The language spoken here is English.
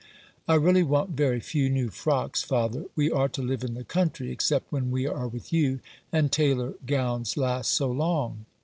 " I really want very few new frocks, father. We are to live in the country, except when we are with you, and tailor gowns last so long."